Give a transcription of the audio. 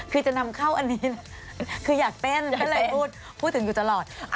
คือจะนำเข้าอยากเต้นพูดถึงอยู่ตลอด